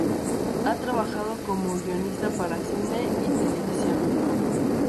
Ha trabajado como guionista para cine y televisión.